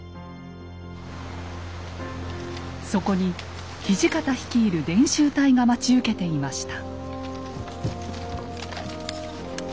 そこに土方率いる伝習隊が待ち受けていました。